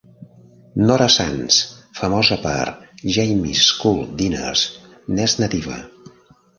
Nora Sands, famosa per "Jamie's School Dinners", n'és nativa.